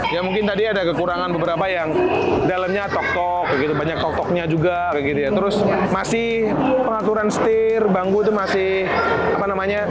ya mungkin tadi ada kekurangan beberapa yang dalamnya tok tok begitu banyak tok toknya juga terus masih pengaturan setir bambu itu masih apa namanya